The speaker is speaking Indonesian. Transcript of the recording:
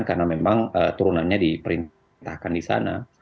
karena memang turunannya diperintahkan di sana